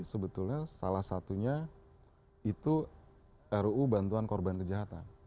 sebetulnya salah satunya itu ruu bantuan korban kejahatan